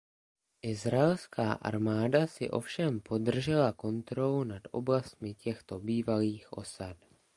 Izraelská armáda si ovšem podržela kontrolu nad oblastmi těchto bývalých osad.